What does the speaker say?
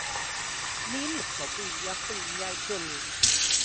Ni'n lico gwylio ffilmiau dwl.